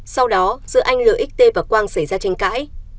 sau đó giữa anh lxt và quang xảy ra tranh cãi